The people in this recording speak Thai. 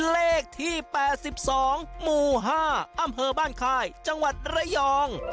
เลขที่๘๒หมู่๕อำเภอบ้านค่ายจังหวัดระยอง